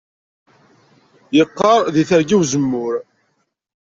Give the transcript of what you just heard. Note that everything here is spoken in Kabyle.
Yeqqaṛ deg Terga Uzemmur